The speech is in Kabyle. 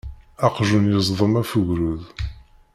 Aqjun yeẓdem af ugrud.